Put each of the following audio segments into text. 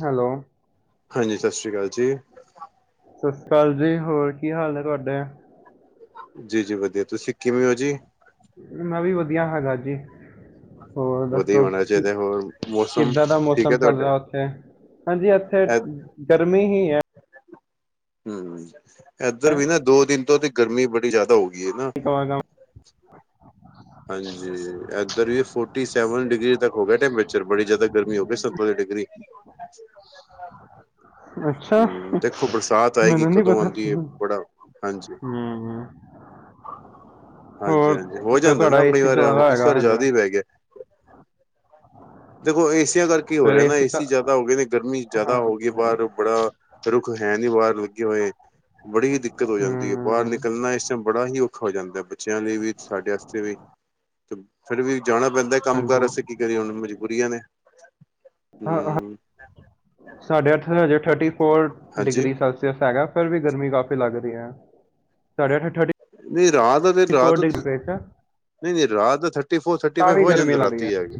Hello ਹਾਂਜੀ ਸਤਿ ਸ਼੍ਰੀ ਅਕਾਲ ਜੀ ਸਤਿ ਸ਼੍ਰੀ ਅਕਾਲ ਜੀ, ਹੋਰ ਕੀ ਹਾਲ ਹੈ ਤੁਹਾਡੇ? ਜੀ-ਜੀ ਵਧੀਆ ਤੁਸੀਂ ਕਿਵੇਂ ਹੋ ਜੀ? ਮੈਂ ਵੀ ਵਧੀਆ ਹੈਗਾ ਜੀ! ਹੋਰ ਵਧੀਆ ਦੱਸੋ? ਹੋਣਾ ਚਾਹੀਦਾ ਹੋਰ ਮੌਸਮ ਕਿੱਦਾਂ ਦਾ ਠੀਕ ਹੈ ਮੌਸਮ ਚੱਲ ਤੁਹਾਡੇ ਰਿਹਾ ਉੱਥੇ? ਹਾਂਜੀ ਇੱਥੇ ਗਰਮੀ ਹੀ ਹੈ ਹਮ ਇੱਧਰ ਵੀ ਨਾ ਕੀ ਦੋ ਦਿਨ ਤੋਂ ਤੇ ਗਰਮੀ ਬੜੀ ਜ਼ਿਆਦਾ ਹੋ ਗਈ ਹੈ ਨਾ [unintelligible] ਹਾਂਜੀ, ਏਧਰ ਵੀ ਫੋਰਟੀ ਸੈਵਨ ਡਿਗਰੀ ਤੱਕ ਹੋ ਗਿਆ ਟੈਂਪਰੇਚਰ ਬੜੀ ਜ਼ਿਆਦਾ ਗਰਮੀ ਹੋ ਗਈ ਸੰਤਾਲੀ ਡਿਗਰੀ। ਅ [unintelligible] ਅੱਛਾ ਹਮ, ਦੇਖੋ ਬਰਸਾਤ ਆਏਗੀ ਮੈਨੂੰ ਨੀ ਕਦੋਂ ਪਤਾ ਆਉਂਦੀ ਹੈ, ਹਮ ਬੜਾ ਹਾਂਜੀ। ਹੋਰ ਹਾਂਜੀ-ਹਾਂਜੀ ਹੋ ਫਿਰ ਜਾਂਦਾ ਤੁਹਾਡਾ ਨਾ ਕਈ ਏਸੀ ਵਾਰ ਚੱਲਦਾ ਇਸ ਹੋਏਗਾ ਵਾਰ ਹਜੇ ਜ਼ਿਆਦਾ ਹੀ ਪੈ ਗਿਆ। ਦੇਖੋ ਏਸੀਆਂ ਕਰਕੇ ਹੋ ਫਿਰ ਰਿਹਾ ਨਾ ਚ ਏਸੀ ਜ਼ਿਆਦਾ ਹੋ ਗਏ ਨੇ ਗਰਮੀ ਜ਼ਿਆਦਾ ਹੋ ਹਾਂਜੀ ਗਈ ਬਾਹਰ ਬੜਾ ਰੁੱਖ ਹੈ ਨੀ ਬਾਹਰ ਲੱਗੇ ਹੋਏ, ਬੜੀ ਹੀ ਦਿੱਕਤ ਹੋ ਜਾਂਦੀ ਹੈ। ਬਾਹਰ ਹਮ ਨਿਕਲਣਾ ਇਸ ਟਾਈਮ ਬੜਾ ਹੀ ਔਖਾ ਹੋ ਜਾਂਦਾ, ਬੱਚਿਆਂ ਲਈ ਵੀ ਸਾਡੇ ਵਾਸਤੇ ਵੀ ਤੇ ਫਿਰ ਵੀ ਜਾਣਾ ਪੈਂਦਾ ਕੰਮ-ਕਾਰ ਹਾਂਜੀ ਵਾਸਤੇ ਕੀ ਕਰੀਏ ਹੁਣ? ਮਜਬੂਰੀਆਂ ਨੇ ਹਾਂ-ਹਾਂ, ਹਮ ਸਾਡੇ ਇੱਥੇ ਹਜੇ ਥਰਟੀ ਫੋਰ ਹਾਂਜੀ ਡਿਗਰੀ ਸੈ ਸੈਲਸੀਅਸ ਹੈਗਾ ਫਿਰ ਵੀ ਗਰਮੀ ਕਾਫੀ ਲੱਗਦੀ ਹੈ, ਸਾਡੇ ਇਥੇ ਥਰਠੀ ਨਹੀਂ ਰਾਤ? ਰਾਤ ਨਹੀਂ, ਨਹੀਂ ਰਾਤ ਥਰਟੀ ਫੋਰ ਥਰਟੀ ਤਾਂ ਫਾਈਵ ਵੀ ਹੋ ਗਰਮੀ ਜਾਂਦਾ ਲੱਗ ਰਹੀ ਹੈ ਰਾਤੀ ਆ ਕੇ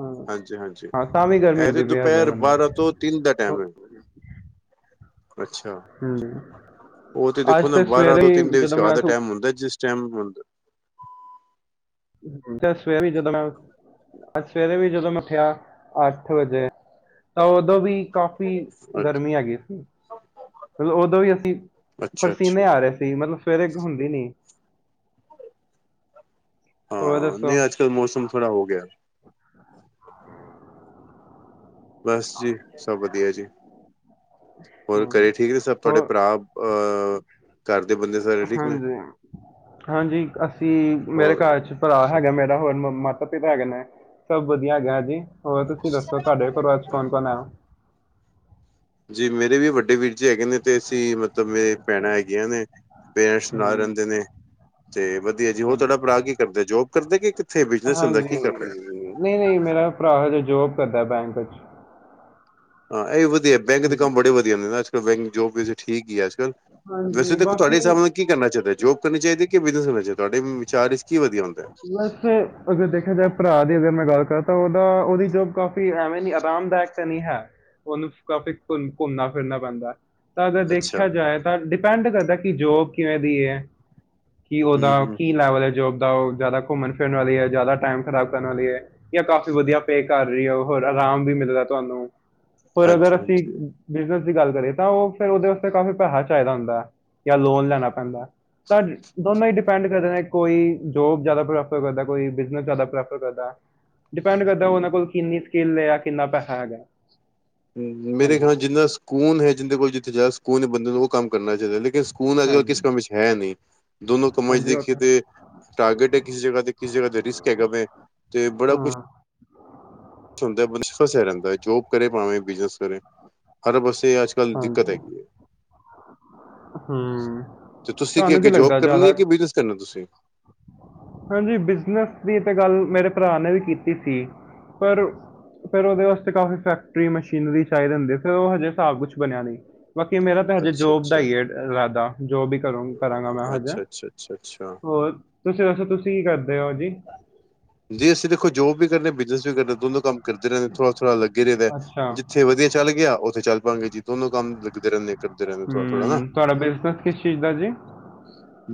ਹਾਂ ਹਾਂਜੀ-ਹਾਂਜੀ, ਹਾਂ ਤਾਂ ਵੀ ਗਰਮੀ ਇਹ ਤੇ ਲੱਗਦੀ ਪਈ ਹਜੇ ਦੁਪਹਿਰ ਮੈਨੂੰ ਬਾਰਾਂ ਤੋਂ ਤਿੰਨ ਦਾ ਟਾਈਮ ਹੂੰ ਹੈ। ਅੱਛਾ ਹਮ ਉਹ ਤੇ ਦੇਖੋ ਨਾ ਬਾਰਾਂ ਦੋ ਤਿੰਨ ਦੇ ਵਿਚਕਾਰ ਮੈਂ ਦਾ ਟਾਈਮ ਹੁੰਦਾ, ਜਿਸ ਟਾਈਮ ਹ ਤੇ ਸਵੇਰੇ ਵੀ [unintelligible] ਅੱਜ ਸਵੇਰੇ ਵੀ ਜਦੋਂ ਮੈਂ ਉਠਿਆ, ਅੱਠ ਵਜੇ ਤਾਂ ਉਦੋਂ ਵੀ ਕਾਫੀ ਗਰਮੀ ਹੈਗੀ ਸੀ। ਮਤਲਬ ਉਦੋਂ ਵੀ ਅਸੀਂ ਅੱਛਾ ਪਰਸੀਨੇ ਅੱਛਾ ਆ ਰਹੇ ਸੀ। ਮਤਲਬ ਸਵੇਰੇ ਹੁੰਦੀ ਨੀ ਹੋਰ ਹਾਂ, ਦੱਸੋ ਨਹੀਂ ਅੱਜ-ਕੱਲ੍ਹ ਮੌਸਮ ਥੋੜ੍ਹਾ ਹੋ ਗਿਆ [unintelligible] ਬਸ ਜੀ ਸਭ ਵਧੀਆ ਜੀ। ਹੋਰ ਹੂੰ ਘਰੇ ਠੀਕ ਨੇ? ਸਭ ਤੁਹਾਡੇ ਹੋਰ ਭਰਾ ਅਹ ਘਰ ਦੇ ਬੰਦੇ ਸਾਰੇ ਠੀਕ ਨੇ? ਹਾਂਜੀ ਹਾਂਜੀ, ਅਸੀਂ ਮੇਰੇ ਹੋਰ ਘਰ 'ਚ ਭਰਾ ਹੈਗਾ ਮੇਰਾ, ਹੋਰ ਮ ਮਾਤਾ ਪਿਤਾ ਹੈਗੇ ਨੇ, ਸਭ ਵਧੀਆ ਹੈਗਾ ਜੀ ਹੋਰ ਤੁਸੀਂ ਦੱਸੋ ਤੁਹਾਡੇ ਘਰ ਚ ਕੌਣ ਕੌਣ ਆ? ਜੀ, ਮੇਰੇ ਵੀ ਵੱਡੇ ਵੀਰ ਜੀ ਹੈਗੇ ਨੇ ਤੇ ਅਸੀਂ ਮਤਲਬ ਮੇਰੇ ਭੈਣਾਂ ਹੈਗੀਆਂ ਨੇ, ਪੇਰੈਂਟਸ ਨਾਲ ਹੂੰ, ਰਹਿੰਦੇ ਨੇ ਤੇ ਵਧੀਆ ਜੀ, ਹੋਰ ਚਲੋ ਤੁਹਾਡਾ ਭਰਾ ਕੀ ਕਰਦਾ ਜੋਬ ਕਰਦੇ ਕਿ ਕਿੱਥੇ ਬਿਜਨਸ ਚਲਦਾ ਹਾਂਜੀ, ਕੀ ਕਰਦੇ? ਨਹੀਂ-ਨਹੀਂ, ਮੇਰਾ ਭਰਾ ਹੈਜੇ ਜੋਬ ਕਰਦਾ ਬੈਂਕ ਵਿੱਚ। ਹਾਂ, ਇਹ ਵਧੀਆ ਬੈਂਕ ਦੇ ਹਾਂਜੀ, ਕੰਮ ਬੜੇ ਵਧੀਆ ਨੇ ਨਾ ਅੱਜ-ਕੱਲ੍ਹ ਬੈਂਕ ਜੋਬ ਵੀੇ ਠੀਕ ਹੀ ਆ ਅੱਜੱਕਲ੍ਹ ਹਾਂ ਵੈਸੇ ਦੇਖੋ ਤੁਹਾਡੇ ਹਿਸਾਬ ਨਾਲ ਕੀ ਕਰਨਾ ਚਾਹੀਦਾ? ਜੋਬ ਕਰਨੀ ਚਾਹੀਦੀ, ਕਿ ਬਿਜਨਸ ਕਰਨਾ ਚਾਹੀਦਾ? ਤੁਹਾਡੇ ਵਿਚਾਰ ਕੀ ਵਧੀਆ ਹੁੰਦਾ ਹੈ। ਬਸ ਅਗਰ ਦੇਖਿਆ ਜਾਏ ਭਰਾ ਦੀ ਅਗਰ ਮੈਂ ਗੱਲ ਕਰਾਂ ਤਾਂ ਉਹਦਾ ਉਹਦੀ ਜੋਬ ਕਾਫ਼ੀ ਐਵੇਂ ਨੀ ਆਰਾਮਦਾਇਕ ਤਾਂ ਨਹੀਂ ਹੈ ਉਹਨੂੰ ਕਾਫੀ ਘ ਘੁੰਮਨਾ ਫਿਰਨਾ ਪੈਂਦੇ। ਤਾਂ ਅਗਰ ਅੱਛਾ ਦੇਖਿਆ ਜਾਏ ਤਾਂ ਡਿਪੈਂਡ ਕਰਦਾ ਕਿ ਜੋ ਕਿਵੇਂ ਦੀ ਐ। ਕੀ ਹਮ ਉਹਦਾ ਹਮ ਕੀ ਲੈਵਲ ਹੈ? ਜੋਬ ਦਾ ਉਹ ਜ਼ਿਆਦਾ ਘੁੰਮਣ ਫਿਰਨ ਵਾਲੀ ਹੈ ਜ਼ਿਆਦਾ ਟਾਈਮ ਖ਼ਰਾਬ ਕਰਨ ਵਾਲੀ ਹੈ? ਜਾਂ ਕਾਫ਼ੀ ਵਧੀਆ ਪੇ ਕਰ ਰਹੀ ਹੋ ਹੋਰ ਆਰਾਮ ਵੀ ਮਿਲਦਾ ਤੁਹਾਨੂੰ ਹੋਰ ਅਗਰ ਹਾਂਜੀ ਅਸੀਂ, ਹਾਂਜੀ ਬਿਜਨਸ ਦੀ ਗੱਲ ਕਰੀਏ ਤਾਂ ਉਹ ਫਿਰ ਉਹਦੇ ਵਾਸਤੇ ਕਾਫੀ ਪੈਸਾ ਚਾਹੀਦਾ ਹੁੰਦਾ, ਜਾਂ ਲੋਨ ਲੈਣਾ ਪੈਂਦਾ ਸਰ ਦੋਨੋਂ ਹੀ ਡਿਪੈਂਡ ਕਰਦੇ ਨੇ ਕੋਈ, ਜੋਬ ਜ਼ਿਆਦਾ ਪ੍ਰੈਫਰ ਕਰਦਾ, ਕੋਈ ਬਿਜਨਸ ਜ਼ਿਆਦਾ ਪ੍ਰੈਫਰ ਕਰਦਾ ਡਿਪੈਂਡ ਕਰਦਾ ਹਮ ਉਹਨਾਂ ਕੋਲ ਕਿੰਨੀ ਸਕਿੱਲ, ਜਾਂ ਕਿੰਨਾ ਪੈਸਾ ਹੈਗਾ ਮੇਰੇ ਖਿਆਲ ਹਾਂਜੀ ਨਾਲ ਜਿੰਨਾ ਸਕੂਨ, ਹੈ ਜਿੰਹਦੇ ਕੋਲ ਜਿੱਥੇ ਜਾਦਾ ਸਕੂਨ ਹੈ ਬੰਦੇ ਨੂੰ ਉਹ ਕੰਮ ਕਰਨਾ ਚਾਹੀਦਾ ਲੇਕਿਨ ਖੂਨ ਅੱਜ- ਕੱਲ੍ਹ ਕਿਸ ਹਾਂਜੀ ਕਮੇ 'ਚ ਹੈ ਨਹੀਂ, ਦੋਨੋ ਕਮਾਂ 'ਚ ਹਾਂਜੀ ਉਹ ਦੇਖੀਏ ਤਾਂ ਹੈ। ਤੇ ਟਾਰਗੇਟ ਏ ਕਿਸੀ ਜਗ੍ਹਾ ਤੇ ਕਿਸੀ ਜਗ੍ਹਾ ਤੇ ਰਿਸਕ ਹੈਗਾ ਵੇ, ਤੇ ਬੜਾ ਕੁਛ ਹਾਂ ਹੁੰਦਾ ਬੰਦਾ ਫਸਿਆ ਰੈੰਦਾ ਏ, ਜੋਬ ਕਰੇ ਪਾਵੇਂ ਬਿਜਨਸ ਕਰੇ, ਹਰ ਬਸੇ ਅੱਜ-ਕੱਲ੍ਹ ਦਿੱਕਤ ਹਾਂਜੀ ਹੈਗੀ ਏ। ਹੂੰ, ਤੇ ਤੁਸੀਂ ਤੁਹਾਨੂੰ ਕੀ ਅੱਗੇ ਜੋਬ ਲੱਗਦਾ ਕਰਨੀ ਜਿਆਦਾ ਹੈ ਕਿ ਬਿਜਨਸ ਕਰਨਾ ਤੁਸੀਂ ਹਾਂਜੀ, ਬਿਜਨਸ ਦੀ ਤੇ ਗੱਲ, ਮੇਰੇ ਭਰਾ ਨੇ ਵੀ ਕੀਤੀ ਸੀ। ਪਰ ਫੇਰ ਓਦੇ ਵਾਸਤੇ ਕਾਫੀ ਫੈਕਟਰੀ ਮਸ਼ੀਨਰੀ ਚਾਈਦੀ ਹੁੰਦੀ ਏ, ਫਿਰ ਔ ਹਜੇ ਸਾਬ ਕੁਛ ਬਣਿਆ ਨੀ। ਬਾਕੀ ਮੇਰਾ ਤਾਂ ਹਜੇ ਅੱਛਾ ਜੋਬ ਦਾ ਅੱਛਾ ਹੀ ਐ ਰਾਦਾ, ਜੋਬ ਈ ਕਰੂ ਕਰਾਂਗਾ ਮੈਂ ਹਜ ਹੈਂ। ਅੱਛਾ ਅੱਛਾ ਅੱਛਾ ਅੱਛਾ ਹੋਰ, ਤੁਸੀਂ ਦੱਸੋ, ਤੁਸੀਂ ਕੀ ਕਰਦੇ ਔ ਜੀ? ਜੀ ਅਸੀਂ ਦੇਖੋ ਜੋਬ ਵੀ ਕਰਨੇ, ਬਿਜਨਸ ਵੀ ਕਰਨੇ। ਦੋੋਂਣੋ ਕੰਮ ਕਰਦੇ ਰਹਿੰਦੇ, ਥੋੜਾ-ਥੋੜਾ ਲੱਗੇ ਰਈ ਦੈ, ਅੱਛਾ ਜਿਥੇ ਵਧੀਆ ਚੱਲ ਗਿਆ, ਔ ਔਥੇ ਚੱਲ ਪਾਂਗੇ ਜੀ, ਦੋਨੋ ਕੰਮ ਲੱਗਦੇ ਰੈਣੇ, ਕਰਦੇ ਰੈੰਦੇ ਥੋੜਾ- ਥੋੜਾ ਨਾ। ਹੂੰ ਤੁਹਾਡਾ ਬਿਜ਼ਨਸ ਕਿਸ ਚੀਜ਼ ਦਾ ਜੀ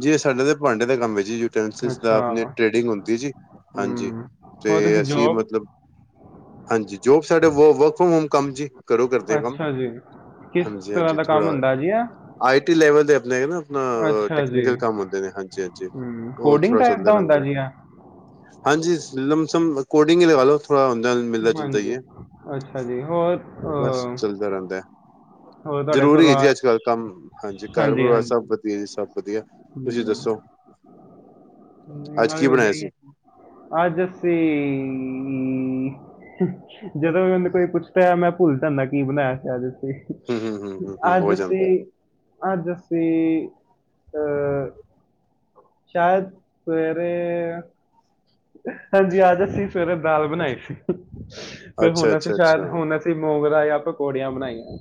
ਜੀ ਸਾਡੇ ਤੇ ਭਾਂਡੇ ਦਾ ਕੰਮ ਏ, ਯੂਟੈੰਸਿਸ ਦਾ, ਅੱਛਾ ਅਪਣੀ ਟਰੇਡਿੰਗ ਹੋੰਦ ਜੀ, ਹਾਂਜੀ, ਹੂੰ ਹੋਰ ਤੇ ਤੁਸੀਂ ਅਸੀਂ ਜੋਬ ਮਤਲ ਲਬ, ਹਾਂਜੀ ਜੋਬ ਸਾਡੇ ਵ ਵਰਕ ਫਰੋਮ ਹੋਮ ਕੰਮ ਜੀ, ਘਰੋ ਕਰਦੇ ਆ ਕੰਮ। ਅੱਛਾ ਜੀ ਕਿਸ ਹਾਂਜੀ ਤਰ੍ਹਾਂ ਹਾਂਜੀ, ਦਾ ਕੰਮ ਥੋੜਾ, ਹੁੰਦਾ ਜੀ ਇਹ ਆਈ ਟੀ ਲੈਵਲ ਦੇ ਲੇਗ ਨਾ ਅਪਣਾ ਅ, ਅੱਛਾ ਜੀ ਟੈਕਨੀਕਲ ਕੰਮ ਹੁੰਦੇ ਨੇ, ਹਾਂਜੀ- ਹਾਂਜੀ ਹੂੰ ਓਹ ਕੋਡਿੰਗ ਥੋੜ੍ਹਾ ਟਾਈਪ ਚੱਲਦਾ ਦਾ ਹੁੰਦਾ ਰਹਿੰਦਾ। ਜੀ ਇਹ ਹਾਂਜੀ, ਲਮਸਮ ਕੋਡਿੰਗ ਹੀ ਲਗਾ ਲੋ। ਥੋੜਾ ਹੁੰਦਾ, ਮਿਲਦਾ- ਜੁਲਦਾ ਹੀ ਹਾਂਜੀ, ਏ, ਅੱਛਾ ਜੀ, ਹੋਰ ਬਸ ਅ, ਚੱਲਦਾ ਰੈੰਦਾ। ਹੋਰ ਤੁਹਾਡੇ ਜ਼ਰੂਰੀ ਏ ਜੀ ਪਰਿਵਾਰ ਅੱਜ-ਕੱਲ ਕੰਮ, ਹਾਂਜੀ ਘਰ-ਪਰਿਵਾਰ ਸਭ ਵਧੀਆ ਜੀ, ਸਭ ਵਧੀਆ। ਤੁਸੀਂ ਹੂੰ, ਦੱਸੋ, ਅੱਜ ਕੀ ਬਣਾਯਾ ਸੀ? ਅਜ ਅਸੀਂ ਹੂੰ, ਜਦੋਂ ਵੀ ਮੈਨੂੰ ਕੋਈ ਪੁੱਛਦਾ, ਮੈਂ ਭੁੱਲ ਜਾਦਾ ਕੀ ਬਣਾਇਆ ਸੀ ਅੱਜ ਅਸੀਂ। ਹੂੰ ਹੂੰ ਹੂੰ ਹੂੰ ਹੂੰ ਹੋ ਅੱਜ ਜਾਂਦਾ ਅਸੀਂ, ਹੈ। ਅੱਜ ਅਸੀਂ ਅਹ ਸ਼ਾਇਦ ਸਵੇਰੇ ਹਾਂਜੀ, ਆਜ ਅਸੀਂ ਸਵੇਰੇ ਦਾਲ ਬਣਾਈ ਸੀ, ਤੇ ਅੱਛਾ ਹੁਣ ਅਸੀਂ ਅੱਛਾ ਸ਼ਾਇਦ ਅੱਛਾ। ਹੁਣ ਅਸੀਂ ਮੋੰਗਰਾ ਯਾ ਪਕੌੜੀਆਂ ਬਣਾਈਆਂ।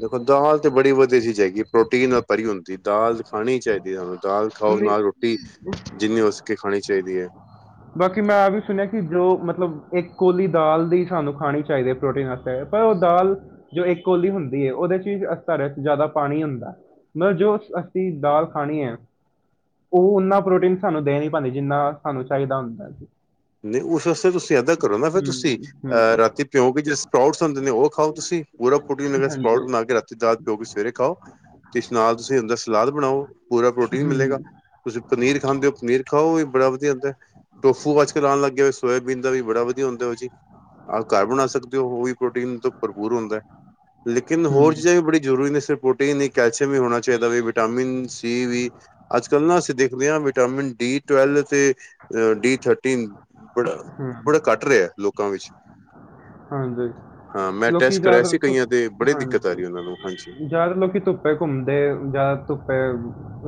ਦੇਖੋ ਦਾਲ ਤੇ ਬੜੀ ਵਧੀਆ ਚੀਜ਼ ਹੈਗੀ ਏ, ਪ੍ਰੋਟੀਨ ਨਾਲ ਭਰੀ ਹੁੰਦੀ ਏ ਦਾਲ ਖਾਣੀ ਹੀ ਚਾਈਦੀ ਏ ਸਾਨੂੰ। ਦਾਲ ਖਾਓ, ਨਹੀਂ ਨਾਲ ਰੋਟੀ, ਜਿੰਨੀ ਹੋ ਸਕੇ ਖਾਣੀ ਚਾਈਦੀ ਏ। ਬਾਕੀ ਮੈਂ ਆ ਵੀ ਸੁਣਿਆ ਕਿ ਜੋ ਮਤਲਬ ਇੱਕ ਕੋਲੀ ਦਾਲ ਦੀ ਸਾਨੂੰ ਖਾਣੀ ਚਾਈਦੀ ਏ, ਪ੍ਰੋਟੀਨ ਅਸ ਪੇ ਪਰ ਔ ਦਾਲ, ਜੋ ਏਕ ਕੋਲੀ ਹੁੰਦੀ ਏ, ਓਦੇ 'ਚ ਵੀ ਅਸਧਰੇਕ ਜਿਆਦਾ ਪਾਣੀ ਹੁੰਦਾ। ਮਤਲਬ ਜੋ ਅਸੀਂ ਦਾਲ ਖਾਣੀ ਐ ਓਹ ਉਨਾ ਪ੍ਰੋਟੀਨ ਸਾਨੂੰ ਦੇ ਨੀ ਪਾਂਦੀ, ਜਿੰਨਾ ਸਾਨੂੰ ਚਾਹੀਦਾ ਹੁੰਦਾ। ਨਹੀਂ, ਉਸ ਅਸਤੇ ਤੁਸੀਂ ਐਦਾਂ ਕਰੋ ਨਾ ਫੇਰ ਤੁਸੀਂ ਹੂੰ ਅਹ ਹੂੰ ਰਾਤੀ ਭਿਉ ਕੇ ਜੇੜੇ ਸਪ੍ਰਾਉਟਸ ਹੁੰਦੇ ਨੇ ਓਹ ਖਾਓ ਤੁਸੀਂ, ਪੂਰਾ ਪ੍ਰੋਟੀਨ ਹੈਗਾ ਸਪ੍ਰਾਉਟ ਹਾਂਜੀ ਬਣਾ ਕੇ ਰਾਤੀ ਦਾਲ ਭਿੳਉ ਕੇ ਸਵੇਰੇ ਖਾਓ, ਤੇ ਇਸ ਨਾਲ ਤੁਸੀਂ ਅੰਦਾ ਸਲਾਦ ਬਣਾਓ, ਪੂਰਾ ਪ੍ਰੋਟੀਨ ਮਿਲੇਗਾ। ਹੂੰ ਤੁਸੀਂ ਪਨੀਰ ਖਾਂਦੇ ਹੋ ਪਨੀਰ ਖਾਓ, ਔਵੀ ਬੜਾ ਵਧੀਆ ਹੁੰਦਾ। ਟੋਫੂ ਅੱਜ ਕਲ ਆਣ ਲੱਗ ਗਿਆ ਸੋਯਾਬੀਣ ਦਾ ਵੀ ਬੜਾ ਵਧੀਆ ਹੁੰਦਾ ਔ ਜੀ। ਆਪ ਘਰ ਬਣਾ ਸਕ ਦੇ ਔ, ਔਵੀ ਪ੍ਰੋਟੀਨ ਤੋਂ ਭਰਪੂਰ ਹੁੰਦੈ। ਲੇਕਿਨ ਹੂੰ ਹੋਰ ਚੀਜ਼ਾਂ ਵੀ ਬੜੀ ਜ਼ਰੂਰੀ ਨੇ ਸਿਰਫ ਪੋ, ਨਹੀ-ਨਹੀ ਕੈਲਸ਼ਿਅਮ ਵੀ ਹੋਣਾ ਚਾਹੀਦਾ ਵੇ, ਵਿਟਾਮਿਨ- ਸੀ ਵੀ, ਅੱਜ-ਕੱਲ੍ਹ ਨਾ ਅਸੀਂ ਦੇਖਦੇ ਹਾਂ ਵ ਵਿਟਾਮਿਨ-ਡੀ-ਟਵੈਲ ਤੇ ਅ ਡੀ ਥਰਟੀਨ ਬੜਾ ਹੂੰ ਬੜਾ ਘਟ ਰਿਐ ਲੋਕਾਂ ਵਿੱਚ, ਹਾਂਜੀ ਹਾਂ, ਮੈਂ ਲੋਕੀ ਟੈਸਟ ਕਰਾਇਆ ਜ਼ਿਆਦਾ ਸੀ ਤੋਂ ਕਈਆਂ ਦੇ ਬੜੇ ਦਿੱਕਤ ਆ ਰੀ ਏ ਔਨਾਂ ਨੂੰ, ਹਾਂਜੀ। ਜਾਦਾ ਲੋਕੀ ਧੁੱਪੇ ਘੁੰਮਦੇ, ਜਾਦਾ ਧੁੱਪੇ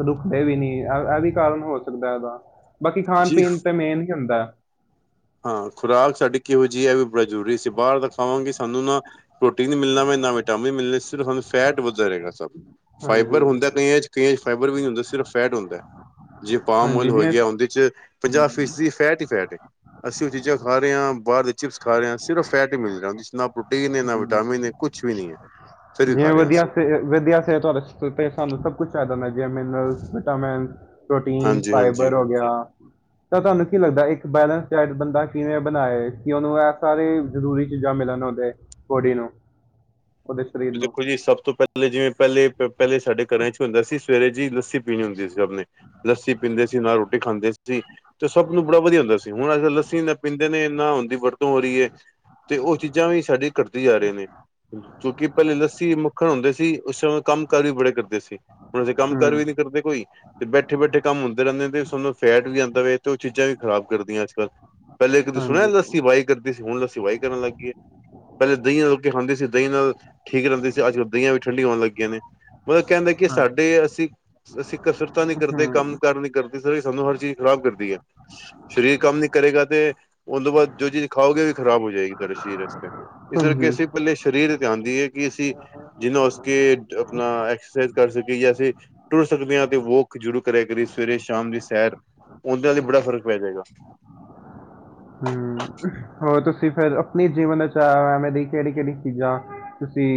ਰੁਕਦੇ ਵੀ ਨੀ, ਐ ਐਹ ਵੀ ਕਾਰਨ ਹੋ ਸਕਦੈ ਔਦਾ, ਬਾਕੀ ਜੀ ਖਾਣ-ਪੀਣ ਤੇ ਮੇਨ ਹੀ ਹੁੰਦਾ। ਹਾਂ, ਖੁਰਾਕ ਸਾਡੀ ਕਿਹੋ ਜੀ ਏ ਐ ਵੀ ਬੜਾ ਜ਼ਰੂਰ,। ਅਸੀ ਬਾਰ ਦਾ ਖਾਵਾਂਗੇ ਸਾਨੂੰ ਨਾ ਪ੍ਰੋਟੀਨ ਨੀ ਮਿਲਣਾ ਵੇ,, ਨਾ ਵਿਟਾਮਿਨ ਮਿਲਣੇ, ਸਿਰਫ ਸਾਨੂੰ ਫੈਟ ਵੱਧਦਾ ਰਹੇਗਾ ਸਭ, ਹਾਂਜੀ ਫਾਈਬਰ ਹੁੰਦਾ ਕਈਆਂ ਚ ਕਈਆਂ ਚ ਫਾਈਬਰ ਵੀ ਨੀ ਹੁੰਦਾ, ਸਿਰਫ ਫੈਟ ਹੁੰਦਾ। ਜਿਵੇਂ ਪਾਮ ਔਇਲ ਹਾਂਜੀ ਹੋ ਜਿਵੇਂ ਗਿਆ ਔੰਦੇ ਚ, ਪੰਜਾਹ ਫੀਸਦੀ ਫੈਟ ਹੀ ਫੈਟ ਏ, ਅਸੀਂ ਓਹ ਚੀਜ਼ਾਂ ਖਾ ਰੇ ਆਂ, ਬਾਰ ਦੇ ਚਿਪਸ ਖਾ ਰੇ ਆਂ, ਸਿਰਫ ਫੈਟ ਹੀ ਮਿਲਣਾ ਔੰਦੇ ਚ, ਨਾ ਪ੍ਰੋਟੀਨ। ਹੈ ਨਾ ਵਿਟਾਮਿਨ ਹੈ ਕੁਛ ਵੀ ਨਹੀਂ ਹੈ। ਫਿਰ ਵੀ ਜਿਵੇ ਖਾ ਰਹੇ ਹਾਂ ਵਧੀਆ ਅਸੀਂ [unintelligible] ਵਧੀਆ ਸਿਹਤ ਸਾਨੂੰ ਸਭ ਕੁਛ ਚਾਹੀਦਾ ਹੁੰਦਾ ਜਵੇ ਮਿਨਰਲ ਵਿਟਾਮਿਨ, ਪ੍ਰੋਟੀਨ, ਹਾਂਜੀ ਹਾਂਜੀ ਫਾਈਬਰ ਹੋ ਗਿਆ, ਹਾਂਜੀ। ਤਾਂ ਤੁਹਾਨੂੰ ਕੀ ਲੱਗਦਾ ਇੱਕ ਬੈਲੈਂਸ ਡਾਇਟ ਬੰਦਾ ਕਿਵੇਂ ਬਣਾਏ, ਕਿ ਉਹਨੂੰ ਇਹ ਸਾਰੇ ਜ਼ਰੂਰੀ ਚੀਜ਼ਾਂ ਮਿਲਣ ਉਹਦੇ, ਕੁੜੀ ਨੂੰ, ਉਹਦੇ ਸਰੀਰ ਨੂੰ ਦੇਖੋ ਜੀ ਸਭ ਤੋਂ ਪਹਿਲਾਂ, ਪਹਿਲੇ ਜਿਵੇਂ ਪਹਿਲੇ -ਪਹਿਲੇ ਸਾਡੇ ਘਰਾਂ ਚ ਹੁੰਦਾ ਸੀ, ਸਵੇਰੇ ਜੀ ਲੱਸੀ ਪੀਣੀ ਹੁੰਦੀ ਸੀ ਸਭ ਨੇ, ਲੱਸੀ ਪੀਂਦੇ ਸੀ, ਨਾਲ ਰੋਟੀ ਖਾਂਦੇ ਸੀ। ਤੇ ਸਭ ਨੂੰ ਬੜਾ ਵਧੀਆ ਹੁੰਦਾ ਸੀ। ਹੁਣ ਅੱ ਲੱਸੀ ਨਾ ਪੀਂਦੇ ਨੇ, ਨਾ ਔਦੀ ਵਰਤੋਂ ਹੋ ਰਹੀ ਹੈ। ਤੇ ਉਹ ਚੀਜ਼ਾਂ ਵੀ ਸਾਡੇ ਘੱਟਦੀ ਜਾ ਰਹੇ ਨੇ, ਕਿਉਂਕਿ ਪਹਿਲੇ ਲੱਸੀ ਮੱਖਣ ਹੁੰਦੇ ਸੀ, ਉਸ ਸਮੇਂ ਕੰਮ ਕਾਰ ਵੀ ਬੜੇ ਕਰਦੇ ਸੀ। ਹੁਣ ਅਸੀੇ ਕੰਮ ਹੂੰ -ਕਾਰ ਵੀ ਨੀ ਕਰਦੇ ਕੋਈ, ਤੇ ਬੈਠੇ- ਬੈਠੇ ਕੰਮ ਹੁੰਦੇ ਰਹਿੰਦੇ ਆ, ਤੇ ਸਾਨੂੰ ਫੈਟ ਵੀ ਆਉਂਦਾ ਵੇ ਤੇ ਉਹ ਚੀਜ਼ਾਂ ਵੀ ਖਰਾਬ ਕਰਦੀਆਂ ਅੱਜ -ਕੱਲ੍ਹ, ਪਹਿਲੇ ਕਦੇ ਹਾਂਜੀ ਸੁਣਿਆਦਾੱ ਸੀ ਬਾਈ, ਕਰਦੀ ਸੀ, ਹੁਣ ਲਸੀਵਾਹੀ ਕਰਨ ਲੱਗ ਗਈਏ, ਪਹਿਲਾਂ ਦਹੀਂ ਨਾਲ ਰੋਟੀ ਖਾਂਦੇ ਸੀ ਦਹੀਂ ਨਾਲ, ਠੀਕ ਰਹਿੰਦੇ ਸੀ, ਅੱਜ ਕੱਲ ਦਹੀਆਂ ਵੀ ਠੰਡੀਆਂ ਆਓਣ ਲੱਗ ਗਈਆ ਨੇ, ਮਤਲਬ ਕਹਿਣ ਦਾ ਕੀ ਹਾਂ ਸਾਡੇ, ਅਸੀਂ -ਅਸੀਂ ਕਸਰਤਾਂ ਨੀ ਕਰਦੇ, ਕੰਮ ਹੂੰ ਕਾਰ ਨੀ ਕਰਦੇ, ਇਸ ਤਰਾ ਸਾਨੂੰ ਹਰ ਚੀਜ਼ ਜਵਾਬ ਦਿੰਦੀ ਆ, ਸਰੀਰ ਕੰਮ ਨੀ ਕਰੇਗਾ, ਤੇ ਉਹ ਤੋਂ ਬਾਅਦ ਜੋ ਚੀਜ਼ ਖਾਓਗੇ, ਖ਼ਰਾਬ ਹੋ ਜਾਏਗੀ, ਸਾਡੇ ਸਰੀਰ ਵਾਸਤੇ, ਇਸ ਕਰਕੇ ਹਾਂਜੀ ਅਸੀਂ ਪਹਿਲੇ ਸਰੀਰ ਤੇ ਆਉਂਦੀ ਹੈਏ ਕਿ ਅਸੀਂ, ਜਿਨਾ ਉਸ ਕੇ ਆਪਣਾ, ਐਕਸਰਸਾਈਜ਼ ਕਰ ਸਕੇ ਜੈਸੇ, ਤੁਰ ਸਕਦੇ ਹਾਂ, ਤੇ ਵੋਕ ਜ਼ਰੂਰ ਕਰਿਆ ਕਰੀ, ਸਵੇਰੇ ਸ਼ਾਮ ਦੀ ਸੈਰ, ਉਹਦੇ ਨਾਲ ਵੀ ਬੜਾ ਫ਼ਰਕ ਪੈ ਜਾਏਗਾ। ਹਮ ਹੋਰ ਤੁਸੀਂ ਫਿਰ ਆਪਣੀ ਜੀਵਨ ਵਿੱਚ ਆਇ ਐਵੇਂ ਦੀ ਕਿਹੜੀ -ਕਿਹੜੀ ਚੀਜ਼ਾਂ, ਤੁਸੀਂ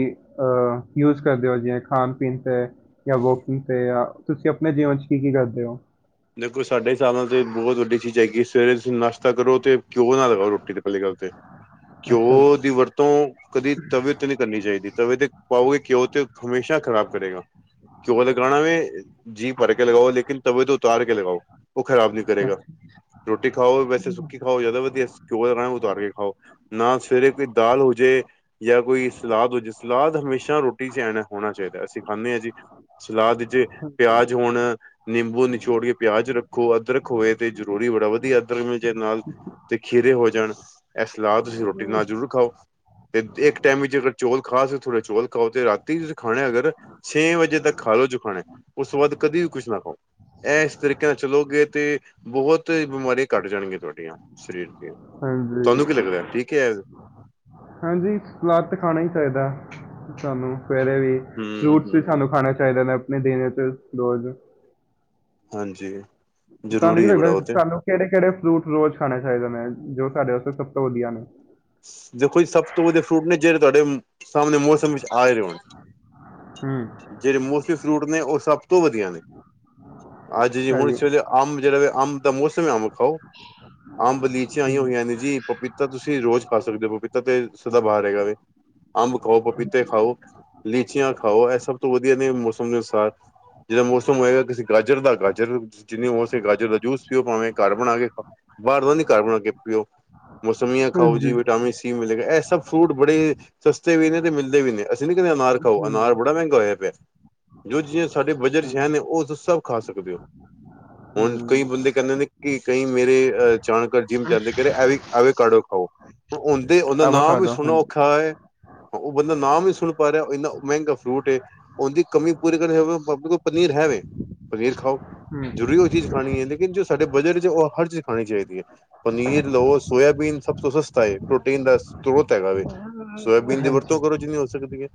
ਅਹ ਯੂਜ ਕਰਦੇ ਹੋ, ਜਿਵੇਂ ਖਾਣ ਪੀਣ ਤੇ, ਜਾਂ ਵੋਕਿੰਗ ਤੇ ਜਾਂ ਤੁਸੀਂ ਆਪਣੇ ਜੀਵਨ ਚ ਕੀ- ਕੀ ਕਰਦੇ ਹੋ? ਦੇਖੋ ਸਾਡੇ ਹਿਸਾਬ ਨਾਲ ਤੇ ਬਹੁਤ ਵੱਡੀ ਚੀਜ਼ ਹੈਗੀ, ਸਵੇਰੇ ਤੁਸੀਂ ਨਾਸ਼ਤਾ ਕਰੋ ਤੇ ਘਿਓ ਨਾ ਲਗਾਓ ਰੋਟੀ ਦੇ ਪਹਿਲੀ ਗੱਲ ਤੇ, ਅੱਛਾ, ਘਿਓ ਦੀ ਜੀ, ਵਰਤੋਂ ਕਦੀ ਤਵੇ ਤੇ, ਨਹੀ ਕਰਨੀ ਚਾਹੀਦੀ ਤਵੇ ਤੇ ਪਾਓਗੇ ਘਿਓ ਤੇ ਹਮੇਸ਼ਾ ਖ਼ਰਾਬ ਕਰੇਗਾ, ਘਿਉਂ ਲਗਾਣਾ ਵੇ, ਜੀ ਭਰ ਕੇ ਲਗਾਓ ਲੇਕਿਨ ਤਵੇ ਤੋਂ, ਉਤਾਰ ਕੇ ਲਗਾਓ, ਉਹ ਖਰਾਬ ਨੀ ਕਰੇਗਾ, ਅੱਛਾ, ਰੋਟੀ ਖਾਓ ਵੈਸੇ ਸੁੱਕੀ ਖਾਓ ਜ਼ਿਆਦਾ ਵਧੀਆ, ਘਿਓ ਲਗਾਣਾ ਉਤਾਰ ਕੇ ਖਾਓ, ਨਾਲ ਸਵੇਰੇ ਫੇਰ ਦਾਲ ਹੋਜੇ, ਜਾਂ ਕੋਈ ਸਲਾਦ ਹੋ ਜਾੇ, ਸਲਾਦ ਹਮੇਸ਼ਾ ਰੋਟੀ ਚ ਐ ਹੋਣਾ ਚਾਹੀਦਾ, ਅਸੀਂ ਖਾਂਦੇ ਹਾਂ ਜੀ, ਸਲਾਦ ਚ ਪਿਆਜ ਹੋਣ ਨਿੰਬੂ, ਛੋੜ ਕੇ ਪਿਆਜ ਰੱਖੋ ਅਦਰਕ ਹੋਵੇ ਤੇ ਜ਼ਰੂਰੀ ਬੜਾ ਵਧੀਆ ਅਦਰਕ ਮਿਲ ਜਏ ਨਾਲ, ਤੇ ਖੀਰੇ ਹੋ ਜਾਣ ਇਹ ਸਲਾਦ ਤੁਸੀਂ ਰੋਟੀ ਨਾਲ ਜ਼ਰੂਰ ਖਾਓ। ਅਤੇ ਇੱਕ ਟਾਈਮ ਵਿੱਚ ਅਗਰ ਚੌਲ ਖਾ ਸਕੋ ਤੇ ਥੋੜ੍ਹਾ ਚੌਲ ਖਾਓ ਅਤੇ ਰਾਤੀ ਤੁਸੀਂ ਖਾਣਾ ਅਗਰ ਛੇ ਵਜੇ ਤੱਕ ਖਾ ਲਓ ਜੋ ਖਾਣਾ ਉਸ ਤੋਂ ਬਾਅਦ ਕਦੇ ਵੀ ਕੁਛ ਨਾ ਖਾਓ। ਇਹ ਇਸ ਤਰੀਕੇ ਨਾਲ ਚਲੋਗੇ ਤੇ ਬਹੁਤ ਬਿਮਾਰੀਆਂ ਘੱਟ ਜਾਣਗੀਆਂ ਤੁਹਾਡੀਆਂ ਸਰੀਰ ਦੀਆਂ। ਤੁਹਾਨੂੰ ਕੀ ਲੱਗਦਾ ਹਾਂਜੀ, ਰਿਹਾ ਠੀਕ ਹੈ ਇਹ। ਹਾਂਜੀ ਸਲਾਦ ਤਾਂ ਖਾਣਾ ਹੀ ਚਾਹੀਦਾ ਸਾਨੂੰ ਸਵੇਰੇ ਵੀ ਹੂੰ ਫਰੂਟਸ ਵੀ ਹੂੰ ਸਾਨੂੰ ਖਾਣੇ ਚਾਹੀਦੇ ਨੇ। ਨੇ ਦੇਣੇ ਤੇ ਰੋਜ਼ ਹਾਂਜੀ। ਤੁਹਾਨੂੰ ਕੀ ਜ਼ਰੂਰੀ ਹੈ ਬੜਾ ਲਗਦਾ ਉਹ ਤੇ ਸਾਨੂੰ ਕਿਹੜੇ ਕਿਹੜੇ ਫਰੂਟ ਰੋਜ਼ ਖਾਣੇ ਚਾਹੀਦਾ ਨੇ ਜੋ ਸਾਡੇ ਵਾਸਤੇ ਸਭ ਤੋਂ ਵਧੀਆ ਨੇ। ਦੇਖੋ ਜੀ ਸਭ ਤੋਂ ਵਧਆ ਫਰੂਟ ਨੇ ਜਿਹੜੇ ਤੁਹਾਡੇ ਸਾਹਮਣੇ ਮੌਸਮ ਵਿੱਚ ਆਏ ਰਹੇ ਹੋਣ। ਹੂੰ ਜਿਹੜੇ ਮੋਸਮੀ ਫਰੂਟ ਨੇ ਉਹ ਸਭ ਤੋਂ ਵਧੀਆ ਨੇ ਅੱਜ ਜੀ ਹੁਣ ਹਾਂਜੀ, ਇਸ ਵੇਲੇ। ਅੰਬ ਜਿਹੜਾ ਵੇਲ਼ੇ ਅੰਬ ਦਾ ਮੌਸਮ ਹੈ ਅੰਬ ਖਾਓ ਅੰਬ ਲਈ, ਲੀਚੀਆਂ ਆਈਆਂ ਹੂੰ, ਹੋਈਆਂ ਨੇ ਜੀ ਪਪੀਤਾ ਤੁਸੀਂ ਰੋਜ਼ ਖਾ ਸਕਦੇ ਹੋ ਪਪੀਤਾ ਤੇ ਸਦਾ ਬਾਹਰ ਹੈਗਾ ਵੇ। ਅੰਬ ਖਾਓ ਪਪੀਤੇ ਖਾਓ, ਲੀਚੀਆਂ ਖਾਓ ਇਹ ਸਭ ਤੋਂ ਵਧੀਆ ਨੇ ਮੌਸਮ ਦੇ ਅਨੁਸਾਰ। ਜਿਹਦਾ ਮੌਸਮ ਹੋਏਗਾ ਕਿਸੇ ਗਾਜਰ ਦਾ ਗਾਜਰ ਜਿੰਨੀ ਹੋ ਸਕੇ ਗਾਜਰ ਦਾ ਜੂਸ ਪੀਓ ਭਾਵੇਂ ਘਰ ਬਣਾ ਕੇ ਬਾਹਰ ਦਾ ਨੀ ਘਰ ਬਣਾ ਕੇ ਪੀਓ। ਮੌਸਮੀਆਂ ਖਾਓ ਜੀ ਹਾਂਜੀ, ਵਿਟਾਮਿਨ ਸੀ ਮਿਲੇਗਾ ਇਹ ਸਭ ਫਰੂਟ ਬੜੇ ਸਸਤੇ ਵੀ ਨੇ ਤੇ ਮਿਲਦੇ ਵੀ ਨੇ ਅਸੀਂ ਨਹੀ ਕਹਿੰਦੇ ਅਨਾਰ ਖਾਓ ਹੂੰ, ਅਨਾਰ ਬੜਾ ਮਹਿੰਗਾ ਹੋਇਆ ਪਿਆ। ਜੋ ਚੀਜ਼ਾਂ ਸਾਡੇ ਬਜਟ ਵਿਚ ਹਾਂਜੀ। ਹੈ ਨੇ ਉਹ ਤੁਸੀਂ ਸਭ ਖਾ ਸਕਦੇ ਹੋ। ਹੁਣ ਕਈ ਹੂੰ ਬੰਦੇ ਕਹਿੰਦੇ ਨੇ ਕਿ ਕਈ ਮੇਰੇ ਜਾਣਕਾਰ ਜਿੰਮ ਜਾਂਦੇ ਕਹਿ ਰਹੇ ਆਵੇ ਕਾਡੋ ਖਾਓ। ਹੁਣ ਉਂਦਾ ਹੀ ਉਹਦਾ ਨਾਮ ਵੀ ਐਵਾਕਾਡੋ ਸੁਣਨਾ ਹਾਂਜੀ ਔਖਾ ਹੈ। ਉਹ ਬੰਦਾ ਨਾਮ ਹੀ ਨੀ ਸੁਣ ਪਾ ਰਿਹਾ ਇੰਨਾ ਮਹਿੰਗਾ ਫਰੂਟ ਏ। ਉਹਦੀ ਕਮੀ ਪੂਰੀ ਕਰਨ ਪਨੀਰ ਹੈਵੇ ਪਨੀਰ ਖਾਓ ਜਰੂਰੀ ਹੂੰ ਉਹ ਚੀਜ਼ ਖਾਣੀ ਇਹਦੀ। ਜੋ ਸਾਡੇ ਬਜਟ ਉਹ ਹਰ ਚੀਜ਼ ਖਾਣੀ ਚਾਹੀਦੀ ਹੈ ਪਨੀਰ ਲਉ ਸੋਇਆਬੀਨ ਸਭ ਤੋਂ ਸ ਸਸਤਾ ਏ ਪ੍ਰੋਟੀਨ ਦਾ ਸਰੋਤ ਹੈਗਾ ਵ ਸੋਇਆਬੀਨ ਦੀ ਹਾਂਜੀ ਵਰਤੋਂ ਕਰੋ ਜਿੰਨੀ ਹੋ ਸਕਦੀ ਹੈ।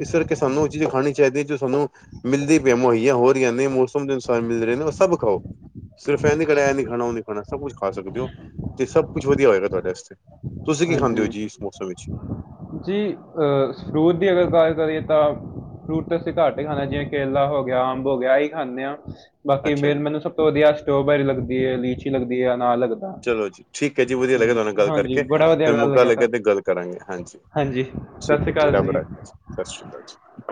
ਇਸ ਕਰਕੇ ਸਾਨੂੰ ਉਹ ਚੀਜ਼ਾਂ ਖਾਣੀ ਚਾਹੀਦੀਆਂ ਜੋ ਸਾਨੂੰ ਮਿਲਦੀ ਪਈ ਮੁਹੱਈਆ ਹੋ ਰਹੀਆਂ ਨੇ ਮੌਸਮ ਦੇ ਅਨੁਸਾਨ ਮਿਲਦੇ ਰਹੇ ਨੇ ਉਹ ਸਭ ਖਾਓ। ਸਿਰਫ ਐ ਨੀ ਕਹਿਣਾ ਇਹ ਨੀ ਖਾਣਾ ਉਹ ਨੀ ਖਾਣਾ ਸਭ ਕੁਛ ਖਾ ਸਕਦੇ ਹੋ ਤੇ ਸਭ ਕੁਛ ਵਧੀਆ ਹੋਏਗਾ ਤੁਹਾਡੇ ਵਾ। ਤੁਸੀਂ ਕੀ ਖਾਂਦੇ ਹਾਂਜੀ ਹੋ ਜੀ ਇਸ ਮੌਸਮ ਵਿੱਚ? ਜੀ ਅਹ ਫਰੂਟ ਦੀ ਅਗਰ ਗੱਲ ਕਰੀਏ ਤਾਂ। ਫਰੂਟ ਤਾਂ ਅਸੀਂ ਘੱਟ ਹੀ ਖਾਣਾ ਚਾਹੀਦਾ ਜਿਵੇਂ ਕੇਲਾ ਹੋ ਗਿਆ ਅੰਬ ਹੋ ਗਿਆ ਆਹੀ ਖਾਂਦੇ ਹਾਂ। ਬਾਕੀ ਅੱਛਾ ਜੀ, ਮੇਨ ਮੈਨੂੰ ਸਭ ਤੋਂ ਵਧੀਆ ਸਟ੍ਰੋਬੈਰੀ ਲੱਗਦੀ ਹੈ, ਲੀਚੀ ਲੱਗਦੀ ਹੈ, ਅਨਾਰ ਲੱਗਦਾ। ਚਲੋ ਜੀ ਠੀਕ ਹੈ ਜੀ ਵਧੀਆ ਲੱਗਿਆ ਤੁਹਾਡੇ ਨਾਲ ਹਾਂਜੀ ਗੱਲ ਹਾਂਜੀ ਕਰਕੇ ਬੜਾ ਵਧੀਆ ਫਿਰ ਗੱਲ ਮੌਕਾ ਲੱਗਿਆ ਤੁਹਾਨੂੰ ਤੇ ਗੱਲ ਕਰਾਂਗੇ ਹਾਂਜੀ। ਸਤਿ ਠੀਕ ਸ਼੍ਰੀ ਹੈ ਜੀ, ਅਕਾਲ ਰੱਬ ਰਾਖਾ, ਸਤਿ ਸ਼੍ਰੀ ਅਕਾਲ ਜੀ।